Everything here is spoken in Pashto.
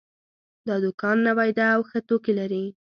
دا دوکان نوی ده او ښه توکي لري